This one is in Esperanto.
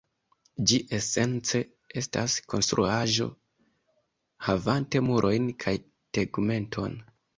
Ĝi esence estas konstruaĵo, havante murojn kaj tegmenton.